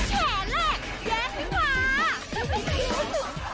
แขนแรกแยกดีกว่า